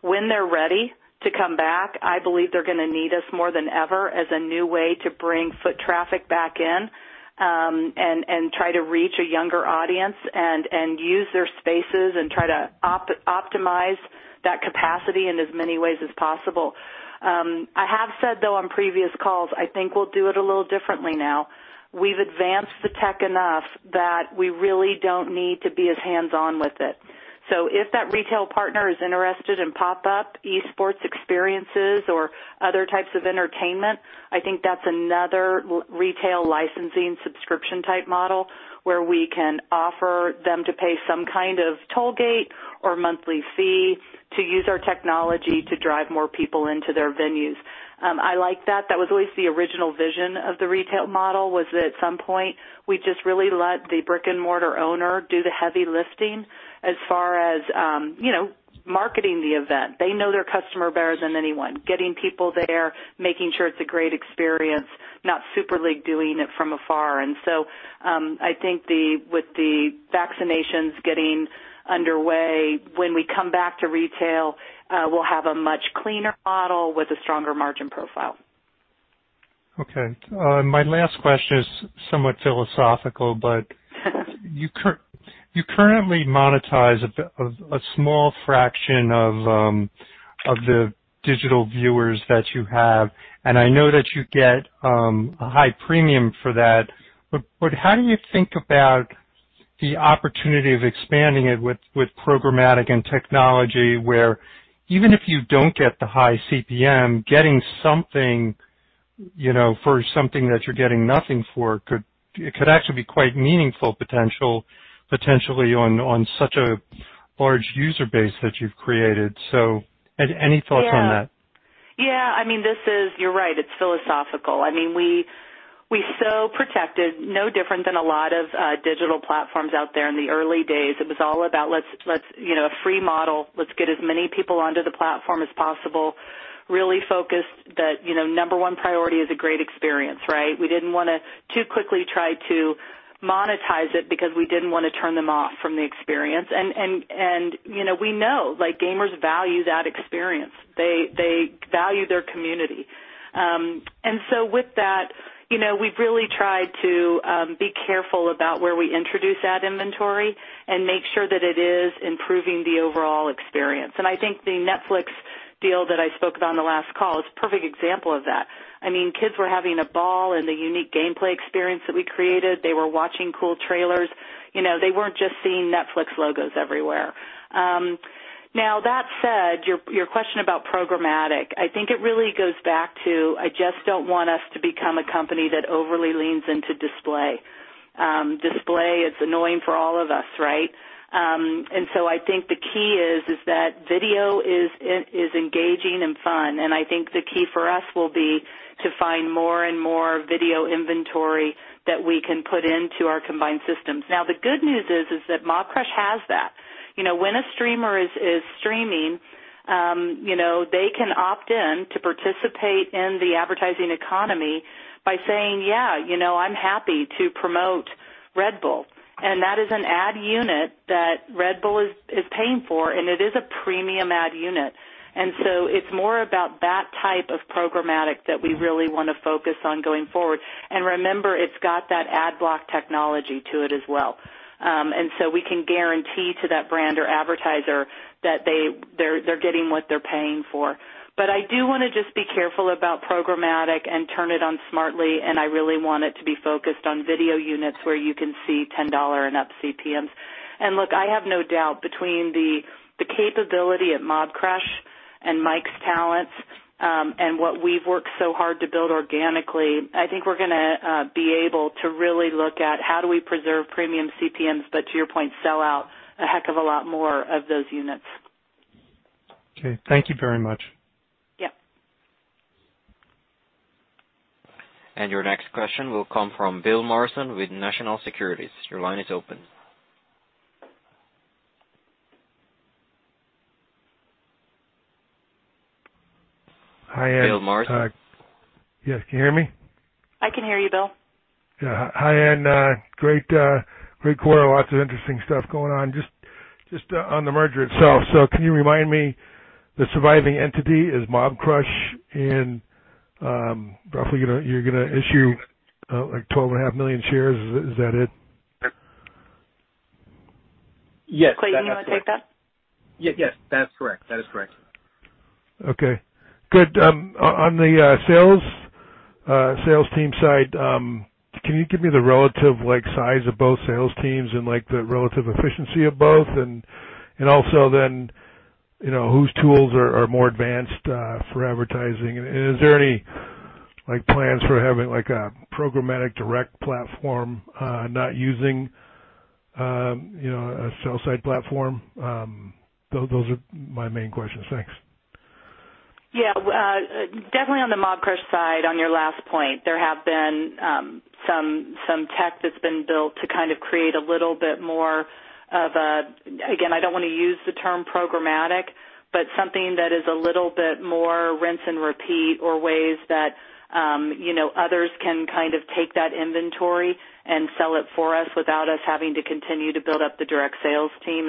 When they're ready to come back, I believe they're going to need us more than ever as a new way to bring foot traffic back in, and try to reach a younger audience and use their spaces and try to optimize that capacity in as many ways as possible. I have said, though, on previous calls, I think we'll do it a little differently now. We've advanced the tech enough that we really don't need to be as hands-on with it. If that retail partner is interested in pop-up esports experiences or other types of entertainment, I think that's another retail licensing subscription-type model where we can offer them to pay some kind of toll gate or monthly fee to use our technology to drive more people into their venues. I like that. That was always the original vision of the retail model, was that at some point we just really let the brick-and-mortar owner do the heavy lifting as far as marketing the event. They know their customer better than anyone. Getting people there, making sure it's a great experience, not Super League doing it from afar. I think with the vaccinations getting underway, when we come back to retail, we'll have a much cleaner model with a stronger margin profile. Okay. My last question is somewhat philosophical. You currently monetize a small fraction of the digital viewers that you have, and I know that you get a high premium for that. How do you think about the opportunity of expanding it with programmatic and technology where even if you don't get the high CPM, getting something for something that you're getting nothing for could actually be quite meaningful potentially on such a large user base that you've created. Any thoughts on that? Yeah. You're right. It's philosophical. We so protected, no different than a lot of digital platforms out there in the early days. It was all about a free model. Let's get as many people onto the platform as possible, really focused that number one priority is a great experience, right? We didn't want to too quickly try to monetize it because we didn't want to turn them off from the experience, and we know gamers value that experience. They value their community. With that, we've really tried to be careful about where we introduce that inventory and make sure that it is improving the overall experience. I think the Netflix deal that I spoke about on the last call is a perfect example of that. Kids were having a ball in the unique gameplay experience that we created. They were watching cool trailers. They weren't just seeing Netflix logos everywhere. That said, your question about programmatic, I think it really goes back to, I just don't want us to become a company that overly leans into display. Display is annoying for all of us, right? I think the key is that video is engaging and fun, and I think the key for us will be to find more and more video inventory that we can put into our combined systems. The good news is that Mobcrush has that. When a streamer is streaming, they can opt in to participate in the advertising economy by saying, "Yeah, I'm happy to promote Red Bull." That is an ad unit that Red Bull is paying for, and it is a premium ad unit. It's more about that type of programmatic that we really want to focus on going forward. Remember, it's got that ad block technology to it as well. We can guarantee to that brand or advertiser that they're getting what they're paying for. I do want to just be careful about programmatic and turn it on smartly, and I really want it to be focused on video units where you can see $10 and up CPMs. Look, I have no doubt between the capability at Mobcrush and Mike's talents, and what we've worked so hard to build organically, I think we're going to be able to really look at how do we preserve premium CPMs, but to your point, sell out a heck of a lot more of those units. Okay. Thank you very much. Yep. Your next question will come from Bill Morrison with National Securities. Your line is open. Hi, Ann. Bill Morrison. Yes. Can you hear me? I can hear you, Bill. Yeah. Hi, Ann. Great quarter. Lots of interesting stuff going on. Just on the merger itself, so can you remind me the surviving entity is Mobcrush, and roughly, you're going to issue like 12.5 million shares. Is that it? Yes, that's correct. Clayton, you want to take that? Yes, that's correct. Okay, good. On the sales team side, can you give me the relative size of both sales teams and the relative efficiency of both, then, whose tools are more advanced for advertising? Is there any plans for having a programmatic direct platform, not using a sell-side platform? Those are my main questions. Thanks. Yeah. Definitely on the Mobcrush side, on your last point, there have been some tech that's been built to kind of create a little bit more of a Again, I don't want to use the term programmatic, but something that is a little bit more rinse and repeat, or ways that others can kind of take that inventory and sell it for us without us having to continue to build up the direct sales team.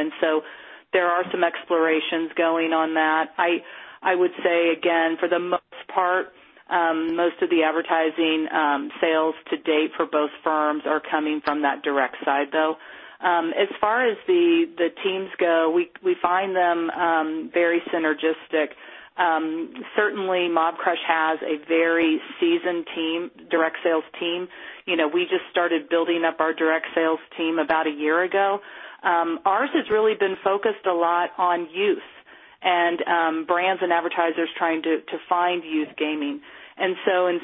There are some explorations going on that. I would say again, for the most part, most of the advertising sales to date for both firms are coming from that direct side, though. As far as the teams go, we find them very synergistic. Certainly, Mobcrush has a very seasoned direct sales team. We just started building up our direct sales team about a year ago. Ours has really been focused a lot on youth and brands and advertisers trying to find youth gaming. In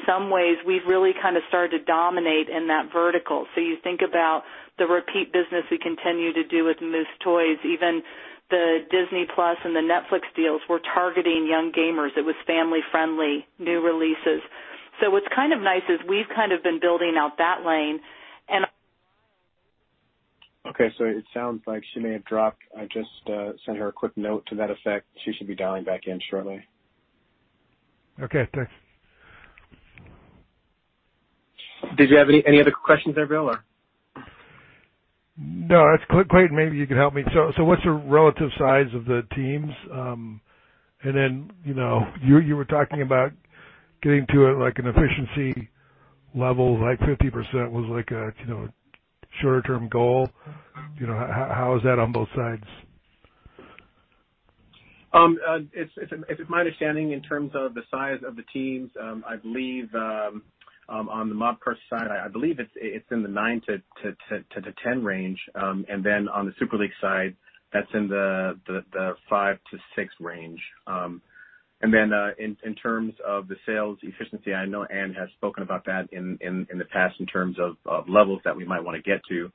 some ways, we've really kind of started to dominate in that vertical. You think about the repeat business we continue to do with Moose Toys, even the Disney+ and the Netflix deals were targeting young gamers. It was family-friendly, new releases. What's kind of nice is we've kind of been building out that lane. Okay. It sounds like she may have dropped. I just sent her a quick note to that effect. She should be dialing back in shortly. Okay, thanks. Did you have any other questions there, Bill, or? No. Clayton, maybe you could help me. What's the relative size of the teams? You were talking about getting to an efficiency level, like 50% was a shorter-term goal. How is that on both sides? If it's my understanding, in terms of the size of the teams, I believe, on the Mobcrush side, I believe it's in the nine to 10 range. On the Super League side, that's in the five to six range. In terms of the sales efficiency, I know Ann has spoken about that in the past in terms of levels that we might want to get to.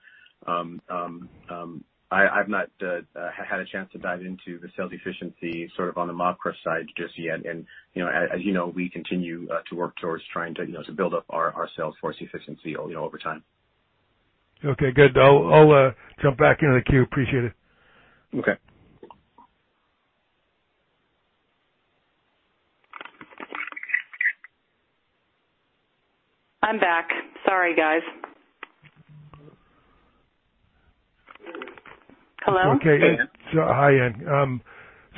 I've not had a chance to dive into the sales efficiency sort of on the Mobcrush side just yet. As you know, we continue to work towards trying to build up our sales force efficiency over time. Okay, good. I'll jump back into the queue. Appreciate it. Okay. I'm back. Sorry, guys. Hello? Okay. Ann? Hi, Ann.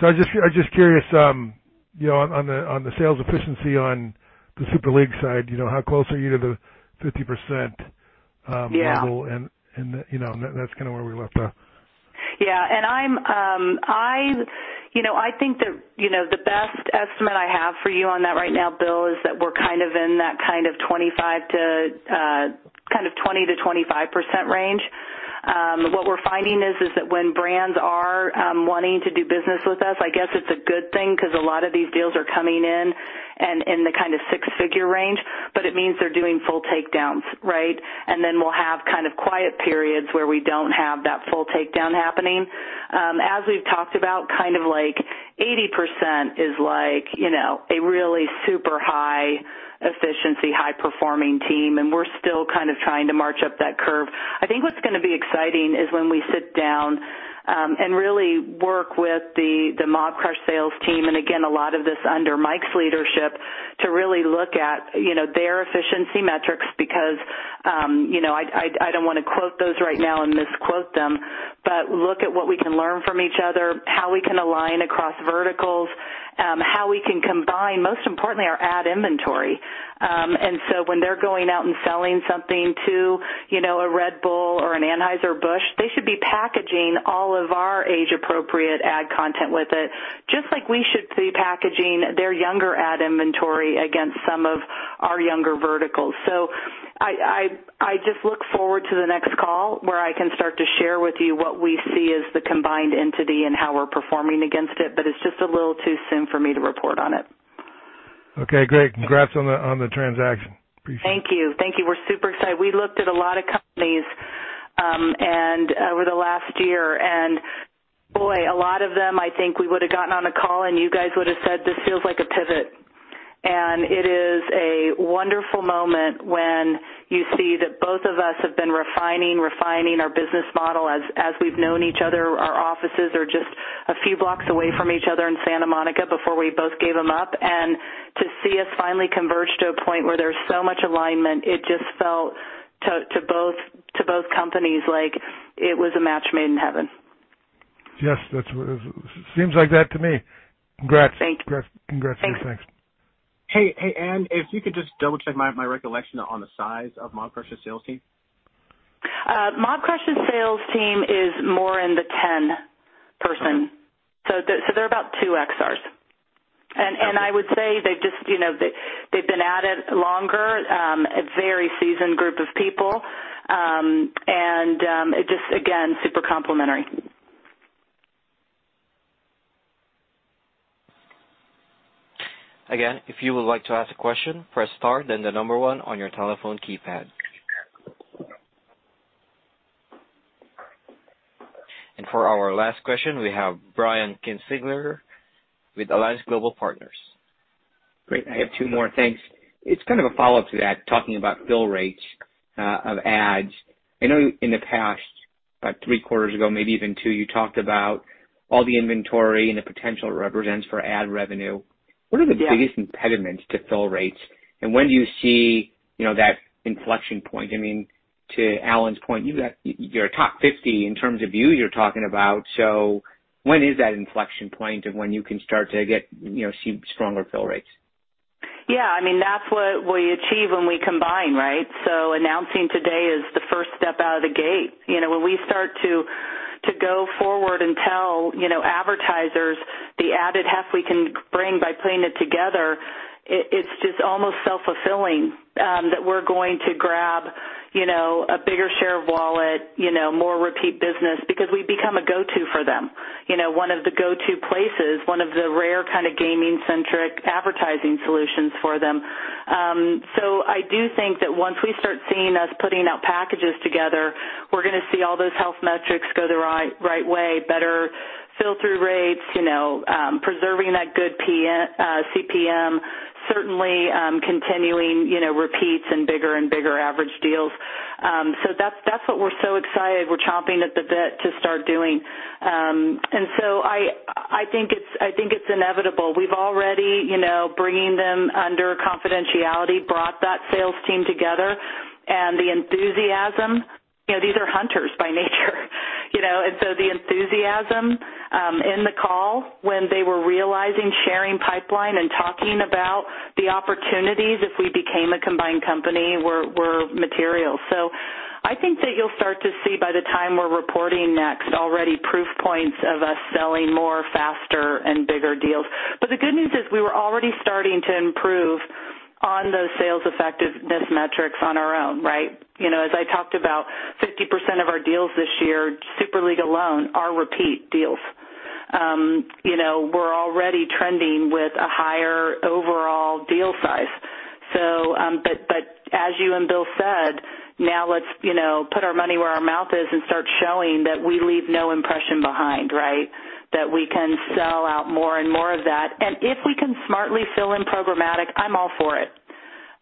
I was just curious on the sales efficiency on the Super League side, how close are you to the 50%? Yeah model, and that's kind of where we left that. Yeah. I think that the best estimate I have for you on that right now, Bill, is that we're in that 20%-25% range. What we're finding is that when brands are wanting to do business with us, I guess it's a good thing because a lot of these deals are coming in in the kind of six-figure range, but it means they're doing full takedowns, right? Then we'll have quiet periods where we don't have that full takedown happening. As we've talked about, 80% is a really super high efficiency, high-performing team, and we're still kind of trying to march up that curve. I think what's going to be exciting is when we sit down and really work with the Mobcrush sales team, and again, a lot of this under Mike's leadership, to really look at their efficiency metrics because I don't want to quote those right now and misquote them. Look at what we can learn from each other, how we can align across verticals, how we can combine, most importantly, our ad inventory. When they're going out and selling something to a Red Bull or an Anheuser-Busch, they should be packaging all of our age-appropriate ad content with it, just like we should be packaging their younger ad inventory against some of our younger verticals. I just look forward to the next call where I can start to share with you what we see as the combined entity and how we're performing against it, but it's just a little too soon for me to report on it. Okay, great. Congrats on the transaction. Appreciate it. Thank you. We're super excited. We looked at a lot of companies over the last year and boy, a lot of them, I think we would've gotten on a call, and you guys would've said, "This feels like a pivot." It is a wonderful moment when you see that both of us have been refining our business model as we've known each other. Our offices are just a few blocks away from each other in Santa Monica before we both gave them up. To see us finally converge to a point where there's so much alignment, it just felt to both companies like it was a match made in heaven. Yes. Seems like that to me. Congrats. Thank you. Congrats. Thanks. Hey, Ann, if you could just double-check my recollection on the size of Mobcrush's sales team. Mobcrush's sales team is more in the 10 person. Okay. They're about two XRs. Okay. I would say they've been at it longer, a very seasoned group of people, just again, super complimentary. If you would like to ask a question, press star, then the number one on your telephone keypad. For our last question, we have Brian Kinstlinger with Alliance Global Partners. Great. I have two more. Thanks. It's kind of a follow-up to that, talking about fill rates of ads. I know in the past, about three quarters ago, maybe even two, you talked about all the inventory and the potential it represents for ad revenue. Yeah. What are the biggest impediments to fill rates, and when do you see that inflection point? To Allen's point, you're a top 50 in terms of views you're talking about. When is that inflection point of when you can start to see stronger fill rates? Yeah. That's what we achieve when we combine, right? Announcing today is the first step out of the gate. When we start to go forward and tell advertisers the added half we can bring by putting it together, it's just almost self-fulfilling that we're going to grab a bigger share of wallet, more repeat business because we become a go-to for them. One of the go-to places, one of the rare kind of gaming-centric advertising solutions for them. I do think that once we start seeing us putting out packages together, we're going to see all those health metrics go the right way, better fill-through rates, preserving that good CPM, certainly continuing repeats and bigger and bigger average deals. That's what we're so excited, we're chomping at the bit to start doing. I think it's inevitable. We've already, bringing them under confidentiality, brought that sales team together, and the enthusiasm, these are hunters by nature. The enthusiasm in the call when they were realizing sharing pipeline and talking about the opportunities if we became a combined company, were material. I think that you'll start to see by the time we're reporting next already proof points of us selling more, faster, and bigger deals. The good news is we were already starting to improve on those sales effectiveness metrics on our own, right? As I talked about, 50% of our deals this year, Super League alone, are repeat deals. We're already trending with a higher overall deal size. As you and Bill said, now let's put our money where our mouth is and start showing that we leave no impression behind, right? That we can sell out more and more of that. If we can smartly fill in programmatic, I'm all for it.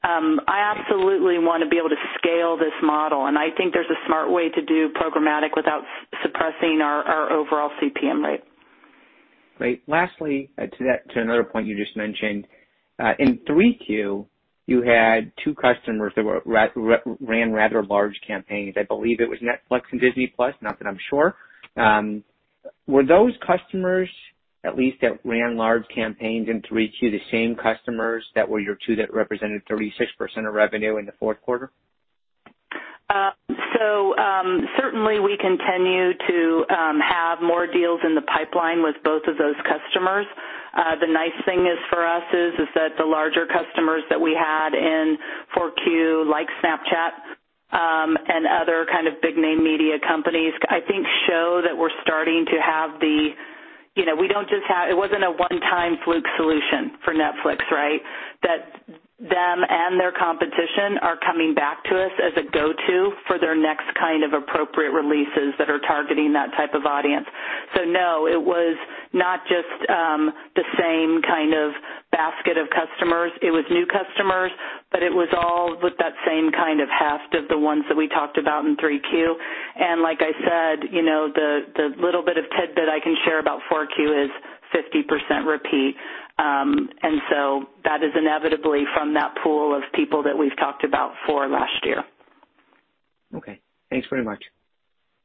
I absolutely want to be able to scale this model, and I think there's a smart way to do programmatic without suppressing our overall CPM rate. Great. Lastly, to another point you just mentioned. In 3Q, you had two customers that ran rather large campaigns. I believe it was Netflix and Disney+, not that I'm sure. Were those customers, at least that ran large campaigns in Q3, the same customers that were your two that represented 36% of revenue in the fourth quarter? Certainly we continue to have more deals in the pipeline with both of those customers. The nice thing for us is that the larger customers that we had in Q4, like Snapchat, and other kind of big-name media companies, I think show that we're starting to have. It wasn't a one-time fluke solution for Netflix, right? That them and their competition are coming back to us as a go-to for their next kind of appropriate releases that are targeting that type of audience. No, it was not just the same kind of basket of customers. It was new customers, but it was all with that same kind of heft of the ones that we talked about in Q3. Like I said, the little bit of tidbit I can share about Q4 is 50% repeat. That is inevitably from that pool of people that we've talked about for last year. Okay. Thanks very much.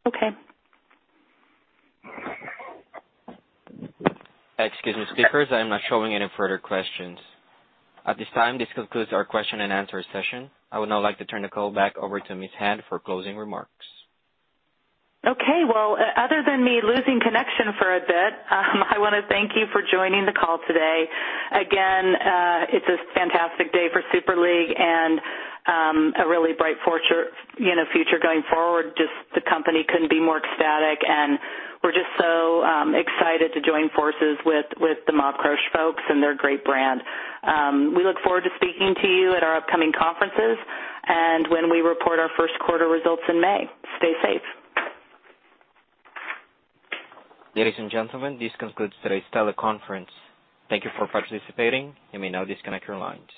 Okay. Excuse me, speakers. I am not showing any further questions. At this time, this concludes our question and answer session. I would now like to turn the call back over to Ms. Hand for closing remarks. Okay. Well, other than me losing connection for a bit, I want to thank you for joining the call today. Again, it's a fantastic day for Super League and, a really bright future going forward. Just the company couldn't be more ecstatic, and we're just so excited to join forces with the Mobcrush folks and their great brand. We look forward to speaking to you at our upcoming conferences, and when we report our first quarter results in May. Stay safe. Ladies and gentlemen, this concludes today's teleconference. Thank you for participating. You may now disconnect your lines.